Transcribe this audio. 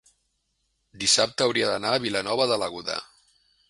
dissabte hauria d'anar a Vilanova de l'Aguda.